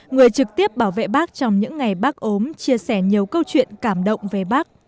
người trực tiếp bảo vệ bắc trong những ngày bắc ốm chia sẻ nhiều câu chuyện cảm động về bắc